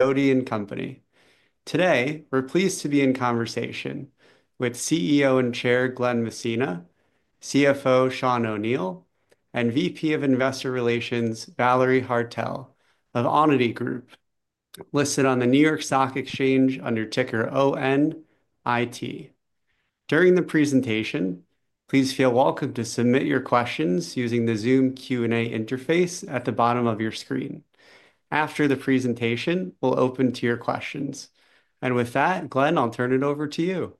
Sidoti & Company. Today, we're pleased to be in conversation with CEO and Chair Glen Messina, CFO Sean O'Neil, and VP of Investor Relations Valerie Haertel of Onity Group, listed on the New York Stock Exchange under ticker ONIT. During the presentation, please feel welcome to submit your questions using the Zoom Q&A interface at the bottom of your screen. After the presentation, we'll open to your questions. With that, Glen, I'll turn it over to you.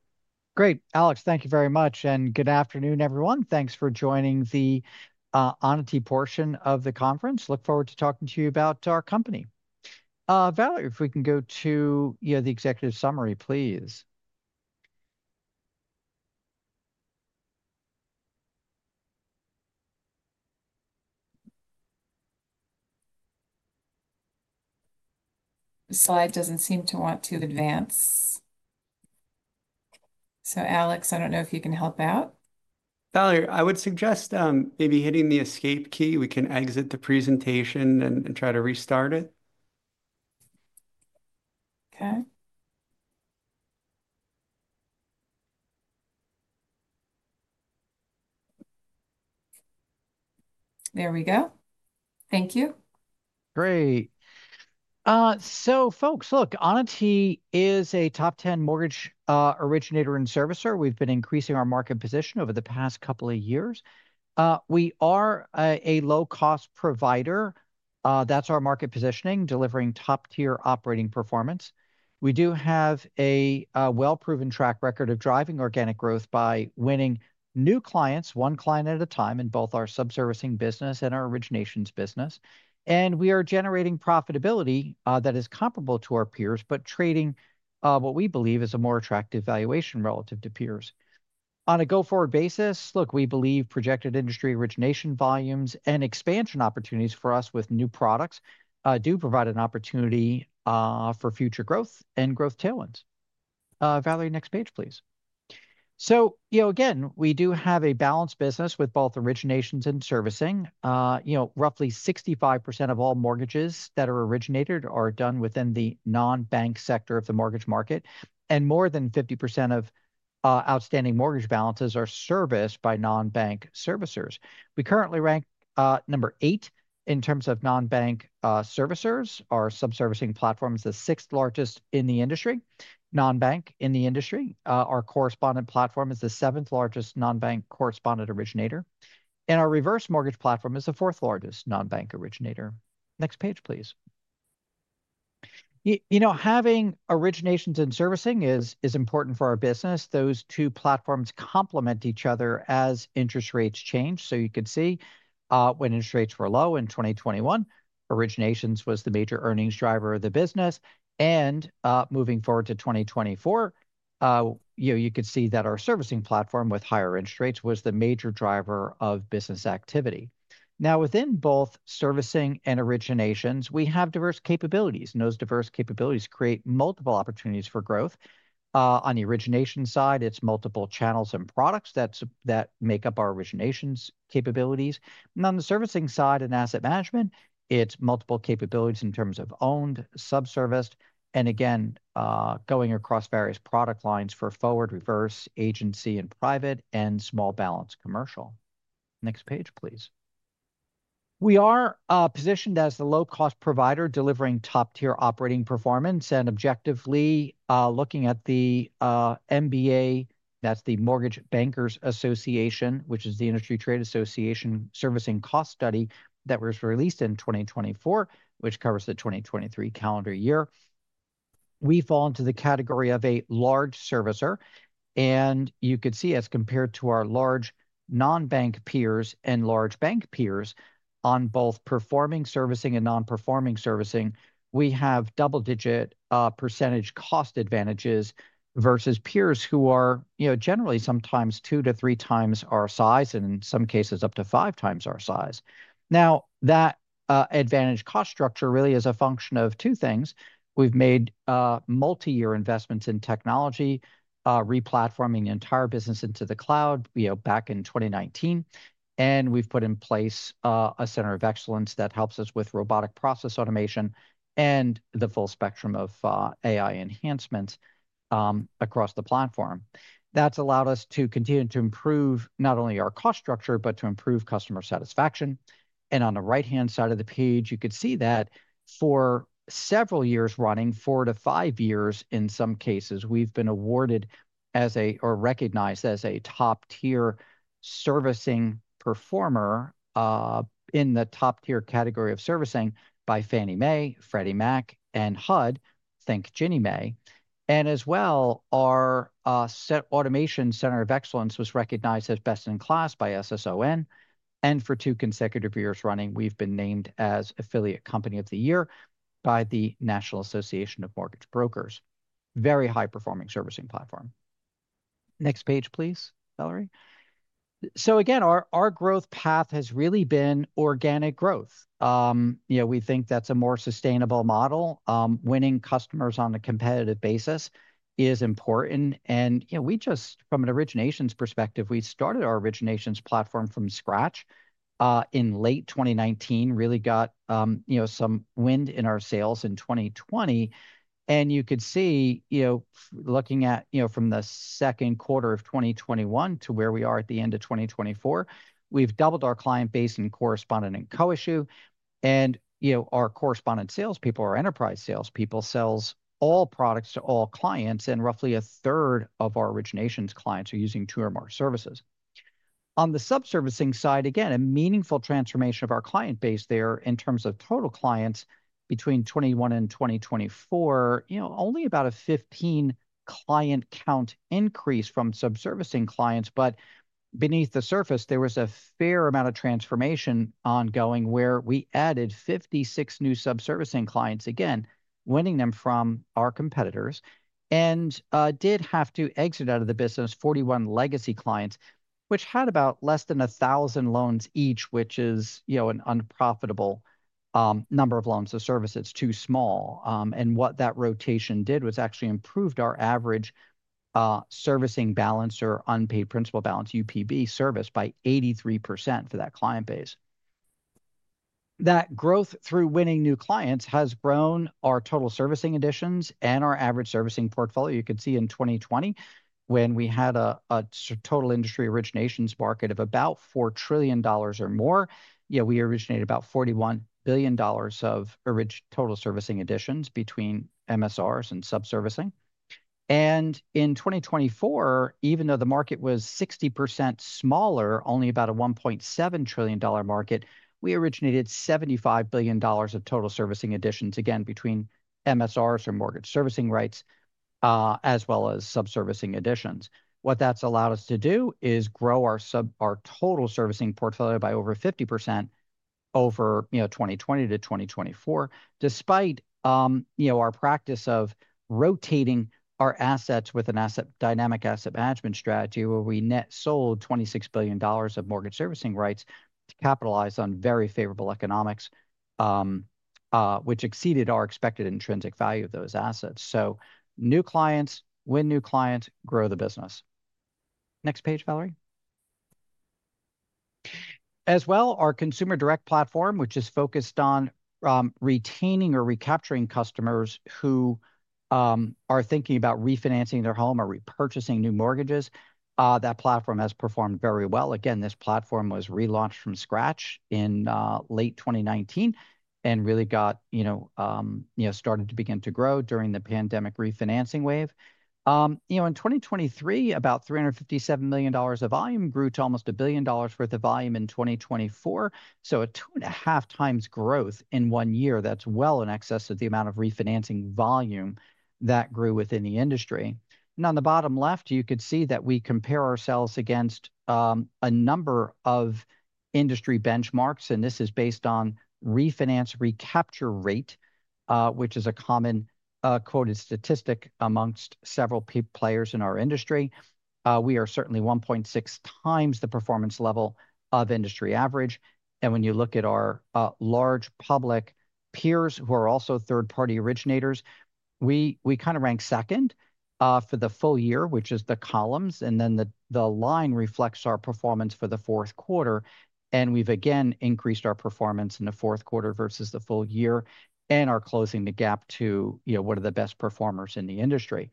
Great, Alex, thank you very much. Good afternoon, everyone. Thanks for joining the Onity portion of the conference. Look forward to talking to you about our company. Valerie, if we can go to, you know, the executive summary, please. The slide does not seem to want to advance. Alex, I do not know if you can help out. Valerie, I would suggest maybe hitting the escape key. We can exit the presentation and try to restart it. Okay. There we go. Thank you. Great. Folks, look, Onity is a top 10 mortgage originator and servicer. We've been increasing our market position over the past couple of years. We are a low-cost provider. That's our market positioning, delivering top-tier operating performance. We do have a well-proven track record of driving organic growth by winning new clients, one client at a time in both our sub-servicing business and our originations business. We are generating profitability that is comparable to our peers, but trading at what we believe is a more attractive valuation relative to peers. On a go-forward basis, look, we believe projected industry origination volumes and expansion opportunities for us with new products do provide an opportunity for future growth and growth tailwinds. Valerie, next page, please. You know, we do have a balanced business with both originations and servicing. You know, roughly 65% of all mortgages that are originated are done within the non-bank sector of the mortgage market, and more than 50% of outstanding mortgage balances are serviced by non-bank servicers. We currently rank number eight in terms of non-bank servicers. Our sub-servicing platform is the sixth largest in the industry, non-bank in the industry. Our correspondent platform is the seventh largest non-bank correspondent originator. Our reverse mortgage platform is the fourth largest non-bank originator. Next page, please. You know, having originations and servicing is important for our business. Those two platforms complement each other as interest rates change. You can see when interest rates were low in 2021, originations was the major earnings driver of the business. Moving forward to 2024, you know, you could see that our servicing platform with higher interest rates was the major driver of business activity. Now, within both servicing and originations, we have diverse capabilities, and those diverse capabilities create multiple opportunities for growth. On the origination side, it's multiple channels and products that make up our originations capabilities. On the servicing side and asset management, it's multiple capabilities in terms of owned, sub-serviced, and again, going across various product lines for forward, reverse, agency and private, and small balance commercial. Next page, please. We are positioned as the low-cost provider delivering top-tier operating performance and objectively looking at the MBA, that's the Mortgage Bankers Association, which is the industry trade association servicing cost study that was released in 2024, which covers the 2023 calendar year. We fall into the category of a large servicer. You could see as compared to our large non-bank peers and large bank peers on both performing servicing and non-performing servicing, we have double-digit percentage cost advantages versus peers who are, you know, generally sometimes 2x-3x our size and in some cases up to 5x our size. That advantage cost structure really is a function of two things. We have made multi-year investments in technology, replatforming the entire business into the cloud back in 2019. We have put in place a center of excellence that helps us with robotic process automation and the full spectrum of AI enhancements across the platform. That has allowed us to continue to improve not only our cost structure, but to improve customer satisfaction. On the right-hand side of the page, you could see that for several years running, four years-five years in some cases, we've been awarded as a, or recognized as a top-tier servicing performer in the top-tier category of servicing by Fannie Mae, Freddie Mac, and HUD, think Ginnie Mae. As well, our automation center of excellence was recognized as best in class by SSON. For two consecutive years running, we've been named as Affiliate Company of the Year by the National Association of Mortgage Brokers. Very high-performing servicing platform. Next page, please, Valerie. Again, our growth path has really been organic growth. You know, we think that's a more sustainable model. Winning customers on a competitive basis is important. You know, we just, from an originations perspective, we started our originations platform from scratch in late 2019, really got, you know, some wind in our sails in 2020. You could see, you know, looking at, you know, from the second quarter of 2021 to where we are at the end of 2024, we have doubled our client base in correspondent and co-issue. You know, our correspondent salespeople, our enterprise salespeople, sell all products to all clients, and roughly a third of our originations clients are using two or more services. On the sub-servicing side, again, a meaningful transformation of our client base there in terms of total clients between 2021 and 2024. You know, only about a 15 client count increase from sub-servicing clients. Beneath the surface, there was a fair amount of transformation ongoing where we added 56 new sub-servicing clients, again, winning them from our competitors. We did have to exit out of the business 41 legacy clients, which had about less than 1,000 loans each, which is, you know, an unprofitable number of loans to service. It's too small. What that rotation did was actually improve our average servicing balance or unpaid principal balance, UPB, serviced by 83% for that client base. That growth through winning new clients has grown our total servicing additions and our average servicing portfolio. You could see in 2020, when we had a total industry originations market of about $4 trillion or more, you know, we originated about $41 billion of total servicing additions between MSRs and sub-servicing. In 2024, even though the market was 60% smaller, only about a $1.7 trillion market, we originated $75 billion of total servicing additions, again, between MSRs or mortgage servicing rights, as well as sub-servicing additions. What that's allowed us to do is grow our total servicing portfolio by over 50% over, you know, 2020-2024, despite, you know, our practice of rotating our assets with an asset dynamic asset management strategy, where we net sold $26 billion of mortgage servicing rights to capitalize on very favorable economics, which exceeded our expected intrinsic value of those assets. New clients, win new clients, grow the business. Next page, Valerie. As well, our consumer direct platform, which is focused on retaining or recapturing customers who are thinking about refinancing their home or repurchasing new mortgages, that platform has performed very well. Again, this platform was relaunched from scratch in late 2019 and really got, you know, you know, started to begin to grow during the pandemic refinancing wave. You know, in 2023, about $357 million of volume grew to almost $1 billion worth of volume in 2024. A 2.5x growth in one year. That is well in excess of the amount of refinancing volume that grew within the industry. On the bottom left, you could see that we compare ourselves against a number of industry benchmarks. This is based on refinance recapture rate, which is a common quoted statistic amongst several players in our industry. We are certainly 1.6x the performance level of industry average. When you look at our large public peers who are also third-party originators, we kind of rank second for the full year, which is the columns. The line reflects our performance for the fourth quarter. We've again increased our performance in the fourth quarter versus the full year and are closing the gap to, you know, one of the best performers in the industry.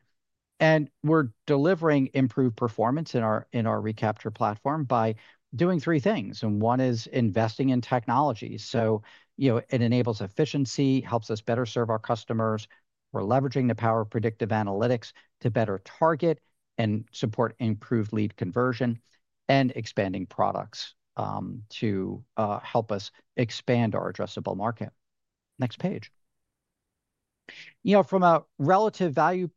We're delivering improved performance in our recapture platform by doing three things. One is investing in technology. You know, it enables efficiency, helps us better serve our customers. We're leveraging the power of predictive analytics to better target and support improved lead conversion and expanding products to help us expand our addressable market. Next page. You know, from a relative value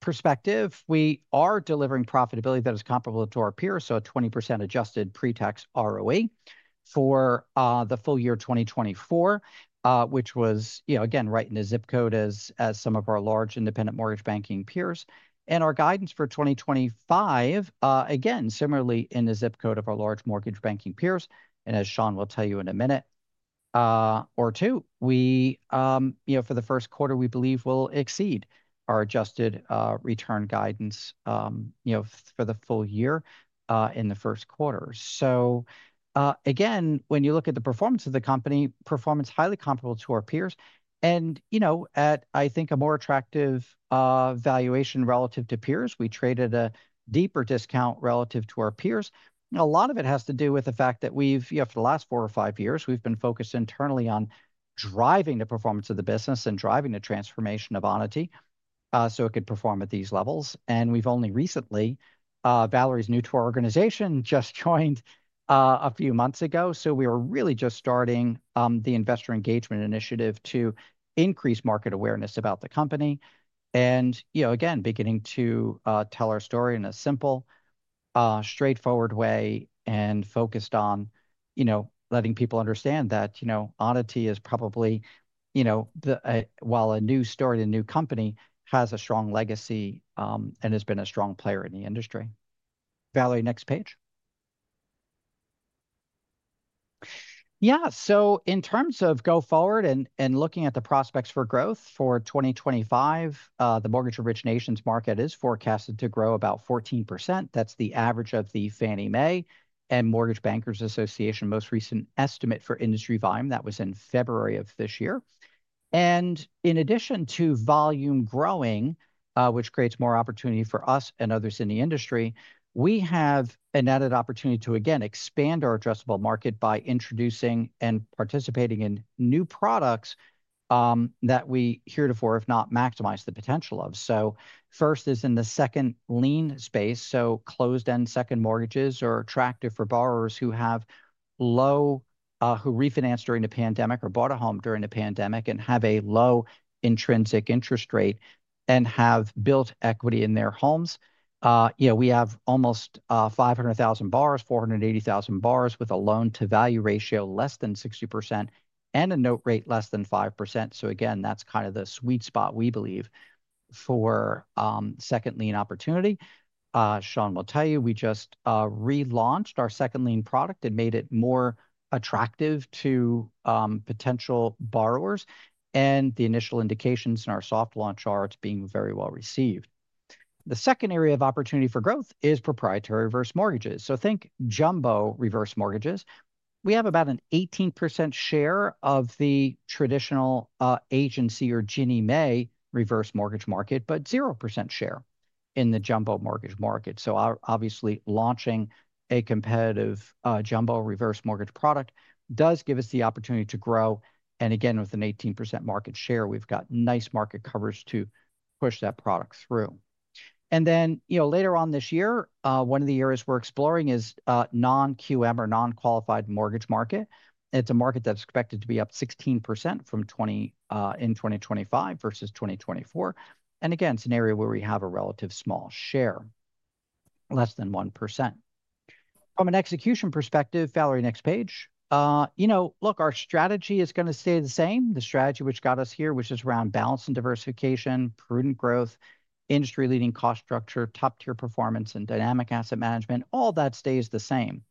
perspective, we are delivering profitability that is comparable to our peers. A 20% adjusted pre-tax ROE for the full year 2024, which was, you know, right in the zip code as some of our large independent mortgage banking peers. Our guidance for 2025, again, is similarly in the zip code of our large mortgage banking peers. As Sean will tell you in a minute or two, we, you know, for the first quarter, we believe we'll exceed our adjusted return guidance, you know, for the full year in the first quarter. When you look at the performance of the company, performance is highly comparable to our peers. You know, at, I think, a more attractive valuation relative to peers, we trade at a deeper discount relative to our peers. A lot of it has to do with the fact that we've, you know, for the last four or five years, been focused internally on driving the performance of the business and driving the transformation of Onity so it could perform at these levels. We've only recently, Valerie's new to our organization, just joined a few months ago. We were really just starting the investor engagement initiative to increase market awareness about the company. You know, again, beginning to tell our story in a simple, straightforward way and focused on, you know, letting people understand that, you know, Onity is probably, you know, while a new story and a new company, has a strong legacy and has been a strong player in the industry. Valerie, next page. Yeah. In terms of go forward and looking at the prospects for growth for 2025, the mortgage originations market is forecasted to grow about 14%. That's the average of the Fannie Mae and Mortgage Bankers Association most recent estimate for industry volume. That was in February of this year. In addition to volume growing, which creates more opportunity for us and others in the industry, we have an added opportunity to, again, expand our addressable market by introducing and participating in new products that we heretofore, if not maximize the potential of. First is in the second lien space. Closed-end second mortgages are attractive for borrowers who have low, who refinanced during the pandemic or bought a home during the pandemic and have a low intrinsic interest rate and have built equity in their homes. You know, we have almost 500,000 borrowers, 480,000 borrowers with a loan-to-value ratio less than 60% and a note rate less than 5%. Again, that's kind of the sweet spot we believe for second lien opportunity. Sean will tell you, we just relaunched our second lien product and made it more attractive to potential borrowers. The initial indications in our soft launch are it's being very well received. The second area of opportunity for growth is proprietary reverse mortgages. Think jumbo reverse mortgages. We have about an 18% share of the traditional agency or Ginnie Mae reverse mortgage market, but 0% share in the jumbo mortgage market. Launching a competitive jumbo reverse mortgage product does give us the opportunity to grow. With an 18% market share, we've got nice market covers to push that product through. Later on this year, one of the areas we're exploring is non-QM or non-qualified mortgage market. It's a market that's expected to be up 16% from 2024 versus 2025. In that scenario, we have a relatively small share, less than 1%. From an execution perspective, Valerie, next page. You know, look, our strategy is going to stay the same. The strategy which got us here, which is around balance and diversification, prudent growth, industry-leading cost structure, top-tier performance, and dynamic asset management, all that stays the same.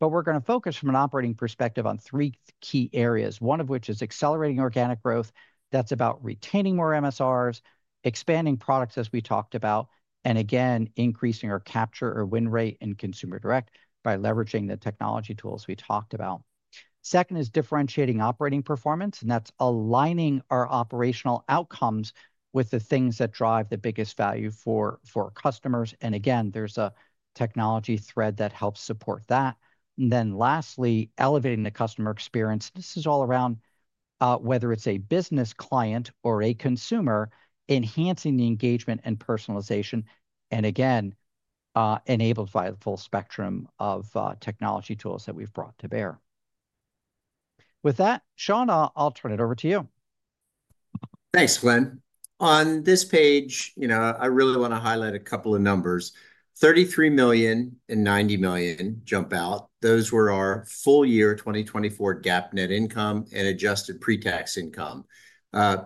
We are going to focus from an operating perspective on three key areas, one of which is accelerating organic growth. That's about retaining more MSRs, expanding products as we talked about, and again, increasing our capture or win rate in consumer direct by leveraging the technology tools we talked about. Second is differentiating operating performance, and that's aligning our operational outcomes with the things that drive the biggest value for customers. Again, there is a technology thread that helps support that. Lastly, elevating the customer experience. This is all around whether it's a business client or a consumer, enhancing the engagement and personalization. Again, enabled by the full spectrum of technology tools that we've brought to bear. With that, Sean, I'll turn it over to you. Thanks, Glen. On this page, you know, I really want to highlight a couple of numbers. $33 million and $90 million jump out. Those were our full year 2024 GAAP net income and adjusted pre-tax income.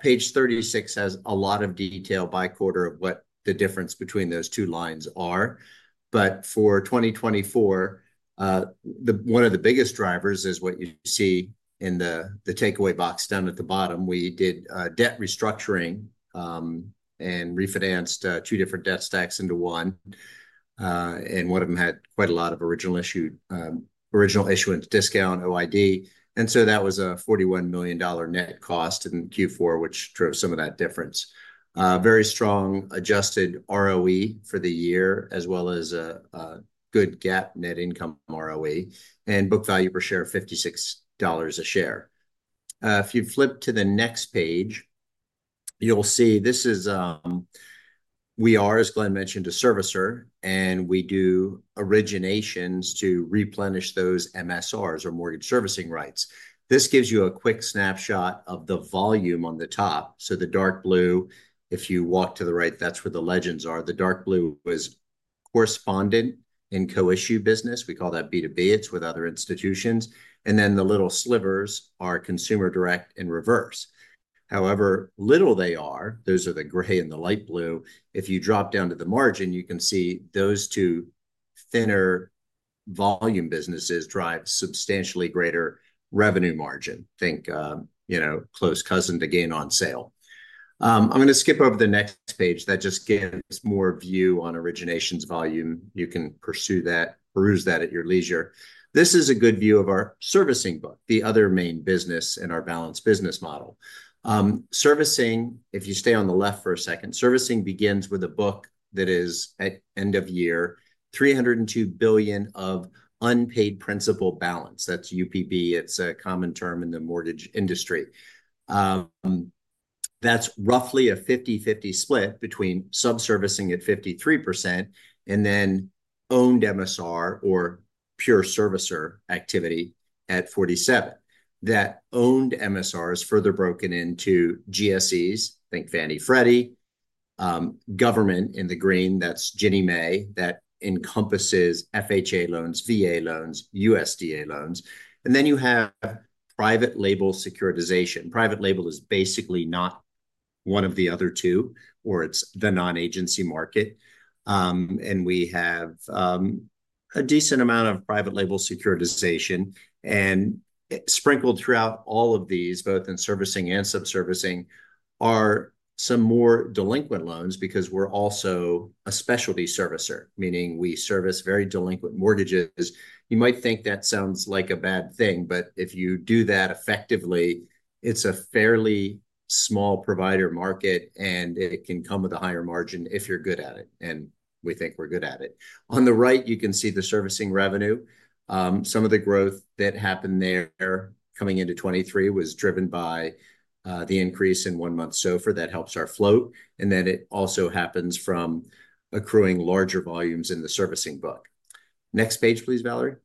Page 36 has a lot of detail by quarter of what the difference between those two lines are. For 2024, one of the biggest drivers is what you see in the takeaway box down at the bottom. We did debt restructuring and refinanced two different debt stacks into one. One of them had quite a lot of original issue discount, OID. That was a $41 million net cost in Q4, which drove some of that difference. Very strong adjusted ROE for the year, as well as a good GAAP net income ROE and book value per share of $56 a share. If you flip to the next page, you'll see this is, we are, as Glen mentioned, a servicer, and we do originations to replenish those MSRs or mortgage servicing rights. This gives you a quick snapshot of the volume on the top. The dark blue, if you walk to the right, that's where the legends are. The dark blue is correspondent and co-issue business. We call that B2B. It's with other institutions. The little slivers are consumer direct and reverse. However little they are, those are the gray and the light blue. If you drop down to the margin, you can see those two thinner volume businesses drive substantially greater revenue margin. Think, you know, close cousin to gain on sale. I'm going to skip over the next page. That just gives more view on originations volume. You can pursue that, peruse that at your leisure. This is a good view of our servicing book, the other main business in our balance business model. Servicing, if you stay on the left for a second, servicing begins with a book that is at end of year, $302 billion of unpaid principal balance. That's UPB. It's a common term in the mortgage industry. That's roughly a 50/50 split between sub-servicing at 53% and then owned MSR or pure servicer activity at 47%. That owned MSR is further broken into GSEs. Think Fannie, Freddie, government in the green. That's Ginnie Mae that encompasses FHA loans, VA loans, USDA loans. And then you have private label securitization. Private label is basically not one of the other two, or it's the non-agency market. We have a decent amount of private label securitization. Sprinkled throughout all of these, both in servicing and sub-servicing, are some more delinquent loans because we're also a specialty servicer, meaning we service very delinquent mortgages. You might think that sounds like a bad thing, but if you do that effectively, it's a fairly small provider market and it can come with a higher margin if you're good at it. We think we're good at it. On the right, you can see the servicing revenue. Some of the growth that happened there coming into 2023 was driven by the increase in one-month SOFR that helps our float. It also happens from accruing larger volumes in the servicing book. Next page, please, Valerie.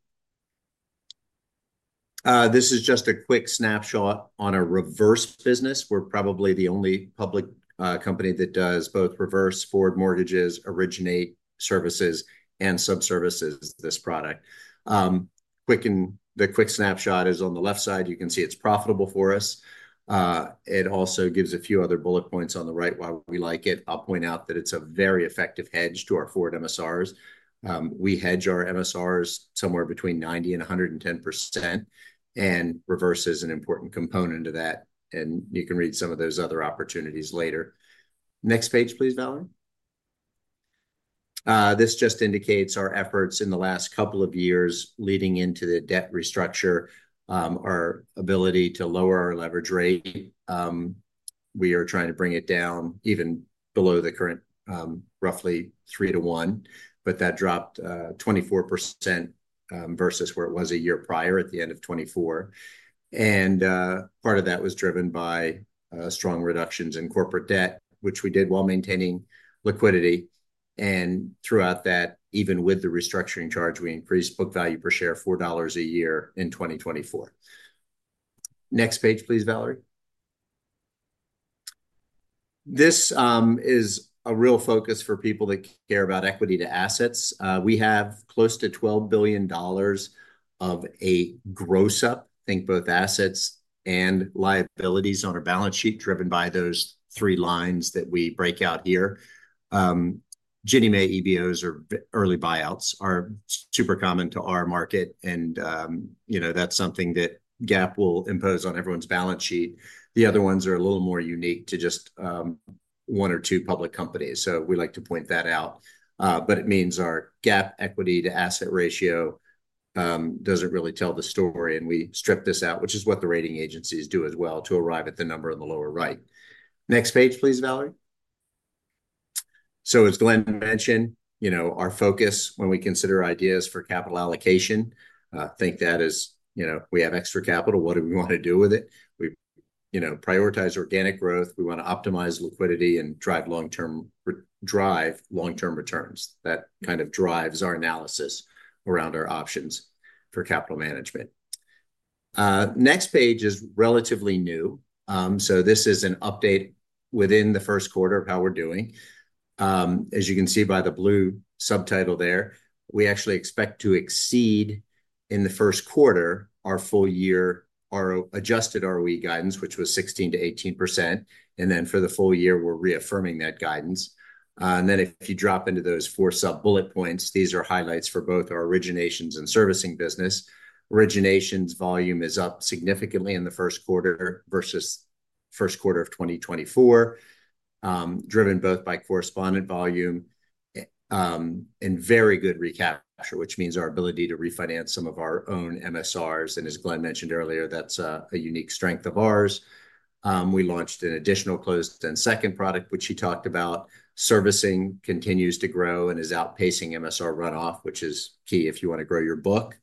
This is just a quick snapshot on a reverse business. We're probably the only public company that does both reverse and forward mortgages, originate, service, and sub-service this product. The quick snapshot is on the left side. You can see it's profitable for us. It also gives a few other bullet points on the right why we like it. I'll point out that it's a very effective hedge to our forward MSRs. We hedge our MSRs somewhere between 90%-110%. Reverse is an important component of that. You can read some of those other opportunities later. Next page, please, Valerie. This just indicates our efforts in the last couple of years leading into the debt restructure, our ability to lower our leverage rate. We are trying to bring it down even below the current roughly three to one, but that dropped 24% versus where it was a year prior at the end of 2024. Part of that was driven by strong reductions in corporate debt, which we did while maintaining liquidity. Throughout that, even with the restructuring charge, we increased book value per share $4 a year in 2024. Next page, please, Valerie. This is a real focus for people that care about equity to assets. We have close to $12 billion of a gross-up, think both assets and liabilities on our balance sheet driven by those three lines that we break out here. Ginnie Mae EBOs or early buyouts are super common to our market. You know, that's something that GAAP will impose on everyone's balance sheet. The other ones are a little more unique to just one or two public companies. We like to point that out. It means our GAAP equity to asset ratio does not really tell the story. We strip this out, which is what the rating agencies do as well to arrive at the number on the lower right. Next page, please, Valerie. As Glen mentioned, you know, our focus when we consider ideas for capital allocation, I think that is, you know, we have extra capital. What do we want to do with it? We, you know, prioritize organic growth. We want to optimize liquidity and drive long-term returns. That kind of drives our analysis around our options for capital management. The next page is relatively new. This is an update within the first quarter of how we're doing. As you can see by the blue subtitle there, we actually expect to exceed in the first quarter our full year, our adjusted ROE guidance, which was 16%-18%. For the full year, we're reaffirming that guidance. If you drop into those four sub-bullet points, these are highlights for both our originations and servicing business. Originations volume is up significantly in the first quarter versus first quarter of 2024, driven both by correspondent volume and very good recapture, which means our ability to refinance some of our own MSRs. As Glen mentioned earlier, that's a unique strength of ours. We launched an additional closed-end second product, which he talked about. Servicing continues to grow and is outpacing MSR runoff, which is key if you want to grow your book.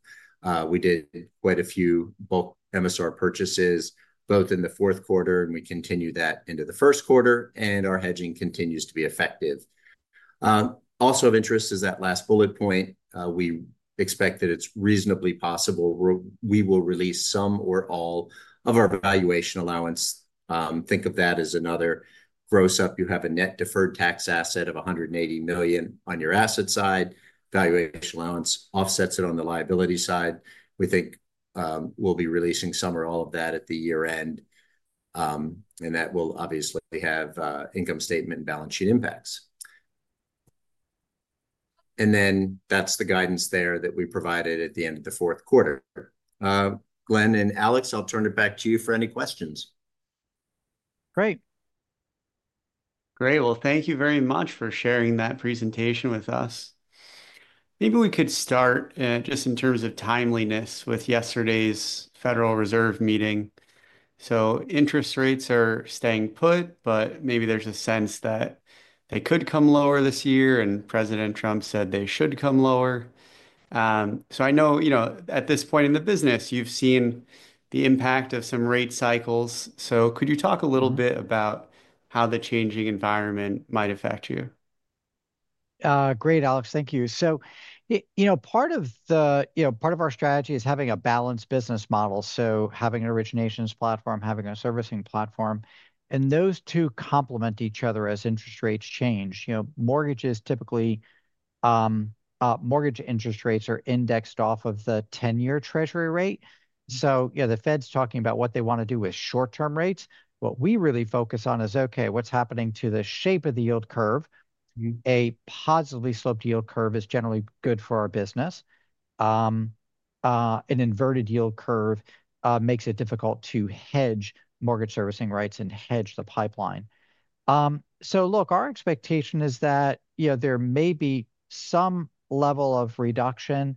We did quite a few bulk MSR purchases both in the fourth quarter, and we continue that into the first quarter, and our hedging continues to be effective. Also of interest is that last bullet point. We expect that it's reasonably possible we will release some or all of our valuation allowance. Think of that as another gross-up. You have a net deferred tax asset of $180 million on your asset side. Valuation allowance offsets it on the liability side. We think we'll be releasing some or all of that at the year end. That will obviously have income statement and balance sheet impacts. That is the guidance there that we provided at the end of the fourth quarter. Glen and Alex, I'll turn it back to you for any questions. Great. Thank you very much for sharing that presentation with us. Maybe we could start just in terms of timeliness with yesterday's Federal Reserve meeting. Interest rates are staying put, but maybe there's a sense that they could come lower this year, and President Trump said they should come lower. I know, you know, at this point in the business, you've seen the impact of some rate cycles. Could you talk a little bit about how the changing environment might affect you? Great, Alex. Thank you. You know, part of our strategy is having a balanced business model. Having an originations platform, having a servicing platform. Those two complement each other as interest rates change. You know, mortgages typically, mortgage interest rates are indexed off of the 10-year Treasury Rate. The Fed's talking about what they want to do with short-term rates. What we really focus on is, okay, what's happening to the shape of the yield curve? A positively sloped yield curve is generally good for our business. An inverted yield curve makes it difficult to hedge mortgage servicing rights and hedge the pipeline. Look, our expectation is that, you know, there may be some level of reduction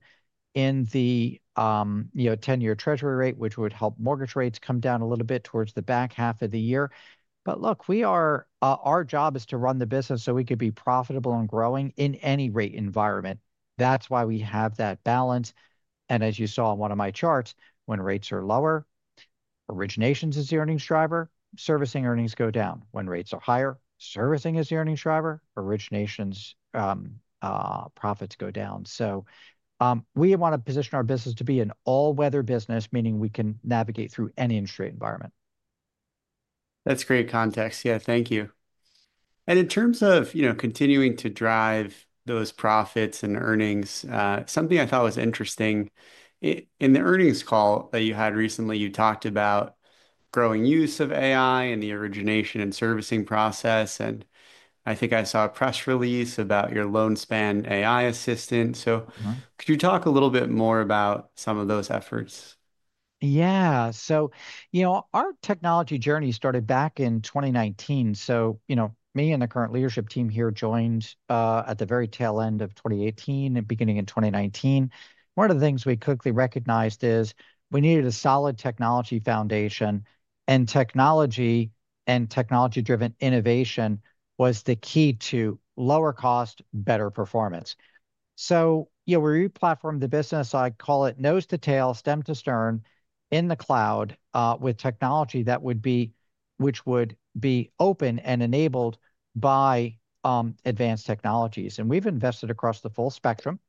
in the, you know, 10-year Treasury Rate, which would help mortgage rates come down a little bit towards the back half of the year. Look, we are, our job is to run the business so we could be profitable and growing in any rate environment. That's why we have that balance. As you saw on one of my charts, when rates are lower, originations is the earnings driver. Servicing earnings go down. When rates are higher, servicing is the earnings driver. Originations profits go down. We want to position our business to be an all-weather business, meaning we can navigate through any interest rate environment. That's great context. Yeah, thank you. In terms of, you know, continuing to drive those profits and earnings, something I thought was interesting in the earnings call that you had recently, you talked about growing use of AI in the origination and servicing process. I think I saw a press release about your LoanSpan AI assistant. Could you talk a little bit more about some of those efforts? Yeah. You know, our technology journey started back in 2019. You know, me and the current leadership team here joined at the very tail end of 2018 and beginning in 2019. One of the things we quickly recognized is we needed a solid technology foundation. Technology and technology-driven innovation was the key to lower cost, better performance. You know, we replatformed the business. I call it nose to tail, stem to stern in the cloud with technology that would be, which would be open and enabled by advanced technologies. We've invested across the full spectrum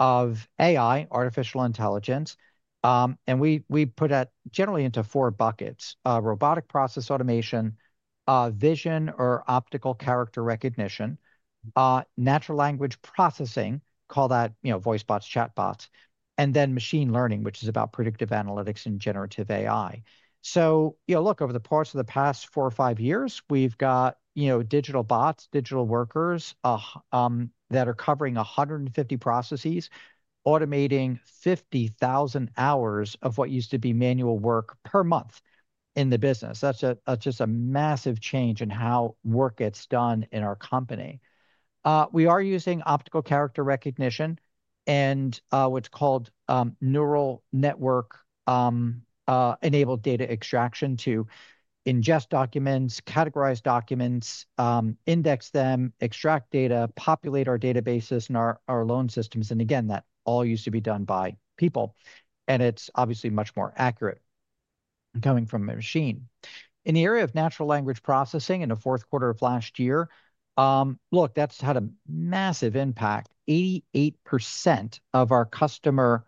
of AI, artificial intelligence. We put that generally into four buckets: robotic process automation, vision or optical character recognition, natural language processing, call that, you know, voice bots, chat bots, and then machine learning, which is about predictive analytics and generative AI. You know, look, over the course of the past four or five years, we've got, you know, digital bots, digital workers that are covering 150 processes, automating 50,000 hours of what used to be manual work per month in the business. That's just a massive change in how work gets done in our company. We are using optical character recognition and what is called neural network-enabled data extraction to ingest documents, categorize documents, index them, extract data, populate our databases and our loan systems. Again, that all used to be done by people. It is obviously much more accurate coming from a machine. In the area of natural language processing in the fourth quarter of last year, look, that has had a massive impact. 88% of our customer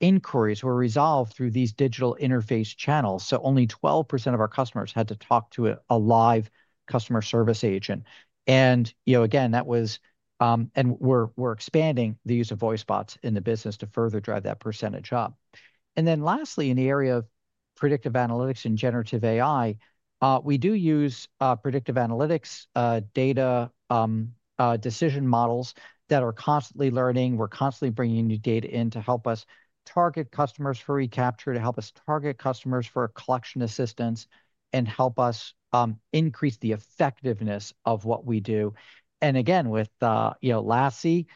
inquiries were resolved through these digital interface channels. Only 12% of our customers had to talk to a live customer service agent. You know, that was, and we are expanding the use of voice bots in the business to further drive that percentage up. Lastly, in the area of predictive analytics and generative AI, we do use predictive analytics data decision models that are constantly learning. We're constantly bringing new data in to help us target customers for recapture, to help us target customers for collection assistance, and help us increase the effectiveness of what we do. You know, with, you know, LoanSpan,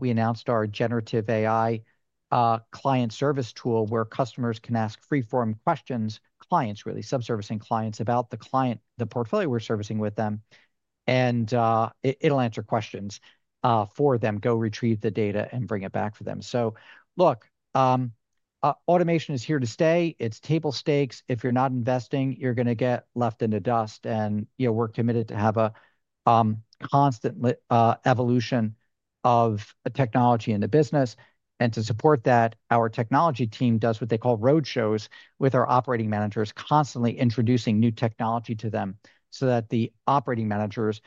we announced our generative AI client service tool where customers can ask free-form questions, clients, really sub-servicing clients about the client, the portfolio we're servicing with them. It will answer questions for them, go retrieve the data and bring it back for them. Look, automation is here to stay. It's table stakes. If you're not investing, you're going to get left in the dust. You know, we're committed to have a constant evolution of technology in the business. To support that, our technology team does what they call roadshows with our operating managers, constantly introducing new technology to them so that the operating managers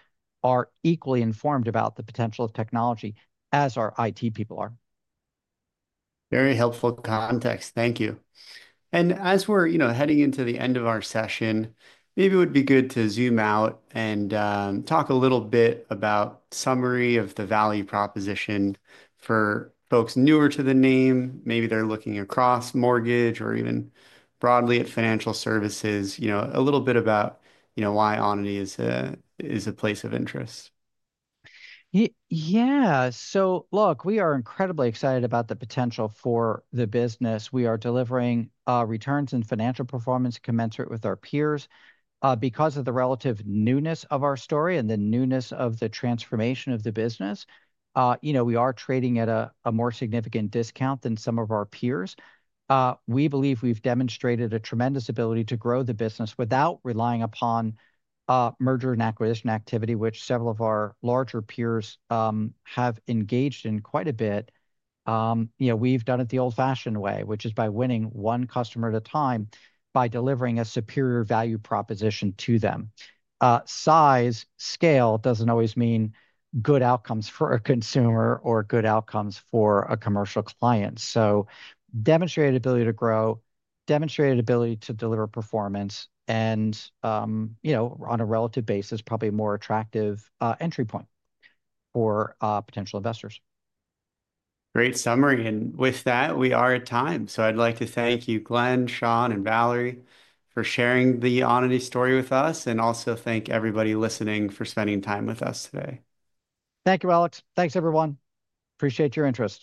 are equally informed about the potential of technology as our IT people are. Very helpful context. Thank you. As we're, you know, heading into the end of our session, maybe it would be good to zoom out and talk a little bit about a summary of the value proposition for folks newer to the name. Maybe they're looking across mortgage or even broadly at financial services, you know, a little bit about, you know, why Onity is a place of interest. Yeah. Look, we are incredibly excited about the potential for the business. We are delivering returns and financial performance commensurate with our peers because of the relative newness of our story and the newness of the transformation of the business. You know, we are trading at a more significant discount than some of our peers. We believe we've demonstrated a tremendous ability to grow the business without relying upon merger and acquisition activity, which several of our larger peers have engaged in quite a bit. You know, we've done it the old-fashioned way, which is by winning one customer at a time by delivering a superior value proposition to them. Size, scale doesn't always mean good outcomes for a consumer or good outcomes for a commercial client. Demonstrated ability to grow, demonstrated ability to deliver performance, and, you know, on a relative basis, probably a more attractive entry point for potential investors. Great summary. With that, we are at time. I'd like to thank you, Glen, Sean, and Valerie for sharing the Onity story with us. I also thank everybody listening for spending time with us today. Thank you, Alex. Thanks, everyone. Appreciate your interest.